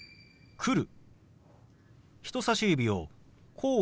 「来る」。